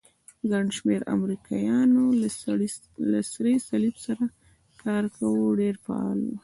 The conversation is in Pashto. ګڼ شمېر امریکایانو له سرې صلیب سره کار کاوه، ډېر فعال وو.